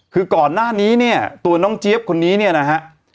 คือก่อนหน้านี้เนี่ยตัวน้องเจี๊ยบคนนี้เนี่ยนะฮะ